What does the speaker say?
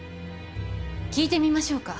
聞いてみましょうか。